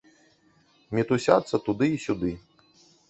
Мітусяцца туды і сюды.